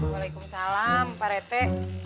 waalaikumsalam pak rete